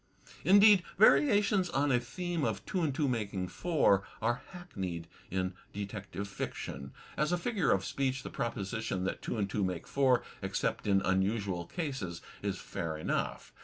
Indeed, variations on a theme of two and two making four are hackneyed in detective fiction. As a figure of speech, the proposition that two and two :ji!jl PORTRAITS 169 make four except in xmusual cases, is fair enough.